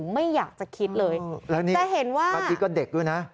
ไม่อยากจะคิดเลยแล้วนี่จะเห็นว่าเมื่อกี้ก็เด็กด้วยนะ